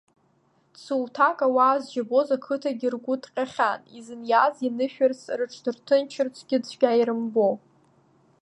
Цуҭак ауаа зџьабоз ақыҭагьы ргәы ҭҟьахьан, изыниаз ианышәарц рыҽдырҭынчырцгьы цәгьа ирымбо.